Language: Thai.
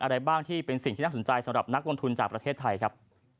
อะไรบ้างที่เป็นสิ่งที่น่าสนใจสำหรับนักลงทุนจากประเทศไทยครับ